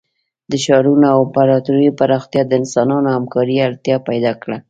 د ښارونو او امپراتوریو پراختیا د انسانانو همکارۍ اړتیا پیدا کړه.